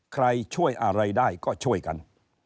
ใครช่วยอะไรได้ก็ช่วยกัน